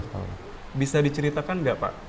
delapan belas tahun bisa diceritakan nggak pak